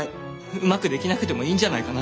うまくできなくてもいいんじゃないかな？